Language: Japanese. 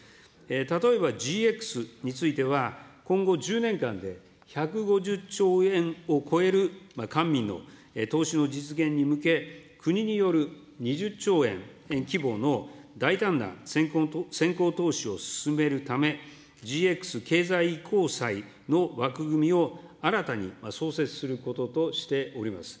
例えば、ＧＸについては、今後１０年間で１５０兆円を超える官民の投資の実現に向け、国による２０兆円規模の大胆な先行投資を進めるため、ＧＸ経済移行債の枠組みを新たに創設することとしております。